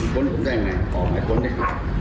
ผมจะยังไงออกมาค้นด้วย